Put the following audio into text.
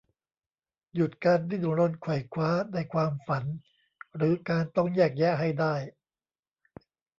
หยุดการดิ้นรนไขว่คว้าในความฝัน หรือการต้องแยกแยะให้ได้